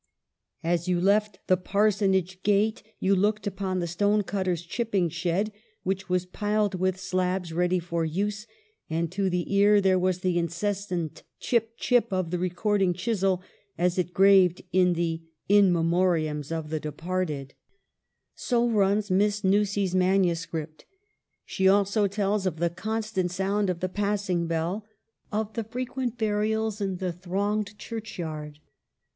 "As you left the Parsonage gate you looked upon the stonecutter's chipping shed, which was piled with slabs ready for use, and to the ear there was the incessant 'chip, chip' of the re cording chisel as it graved in the ' In Memo riams ' of the departed." CHILDHOOD. 55 So runs Miss Nussey's manuscript. She also tells of the constant sound of the passing bell ; of the frequent burials in the thronged church yard.